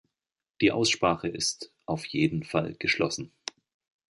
Die Aussprache ist auf jeden Fall geschlossen.